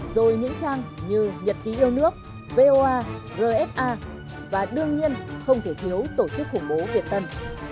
rồi những trang như nhật ký yêu nước voa rfa và đương nhiên không thể thiếu tổ chức khủng bố việt tân